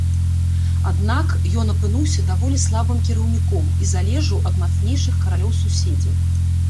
Аднак ён апынуўся даволі слабым кіраўніком і залежаў ад мацнейшых каралёў-суседзяў.